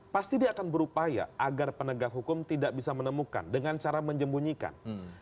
pasti dia akan berupaya agar penegak hukum tidak bisa menemukan dengan cara menjembunyikan